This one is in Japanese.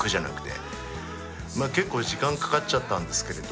まあ結構時間かかっちゃったんですけれど。